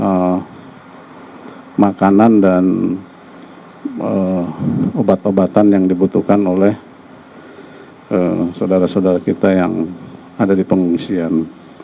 untuk makanan dan obat obatan yang dibutuhkan oleh saudara saudara kita yang ada di pengungsian